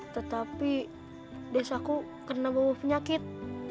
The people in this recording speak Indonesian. tetapi desaku kena bau penyakit